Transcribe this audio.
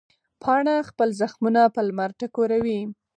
پاڼه خپل زخمونه په لمر ټکوروي.